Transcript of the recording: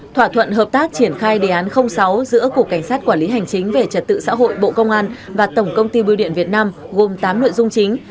thỏa thuận hợp tác triển khai đề án sáu giữa cục cảnh sát quản lý hành chính về trật tự xã hội bộ công an và tổng công ty bưu điện việt nam gồm tám nội dung chính